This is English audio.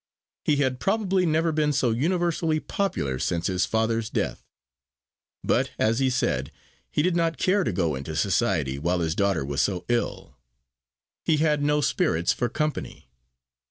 He had probably never been so universally popular since his father's death. But, as he said, he did not care to go into society while his daughter was so ill he had no spirits for company.